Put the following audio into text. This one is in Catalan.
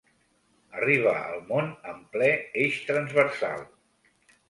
Arriba al món en ple Eix Transversal.